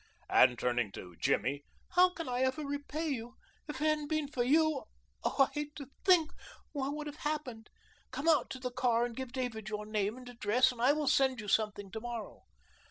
And, turning to Jimmy: "How can I ever repay you? If it hadn't been for you oh, I hate to think what would have happened. Come out to the car and give David your name and address, and I will send you something tomorrow."